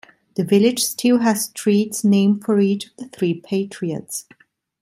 The village still has streets named for each of the three patriots.